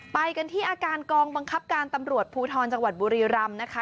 ไปกันที่อาการกองบังคับการตำรวจภูทรจังหวัดบุรีรำนะคะ